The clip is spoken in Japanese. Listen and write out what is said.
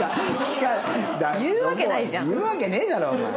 言うわけねえだろお前。